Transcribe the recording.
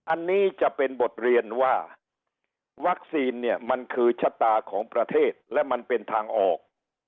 อันนี้จะเป็นบทเรียนว่าวัคซีนเนี่ยมันคือชะตาของประเทศและมันเป็นทางออก